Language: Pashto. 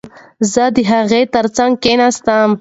زه د هغه ترڅنګ کښېناستم.